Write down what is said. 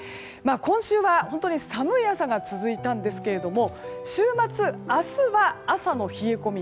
今週は、寒い朝が続いたんですが週末、明日は朝の冷え込み